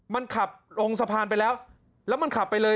มันขับลงสะพานไปแล้วแล้วมันขับไปเลย